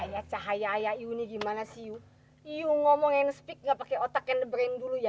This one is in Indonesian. ayat cahaya ini gimana sih you you ngomong and speak gak pakai otak and brain dulu ya